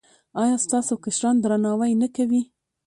ایا ستاسو کشران درناوی نه کوي؟